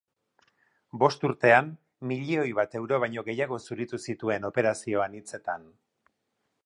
Bost urtean, milioi bat euro baino gehiago zuritu zituen operazio anitzetan.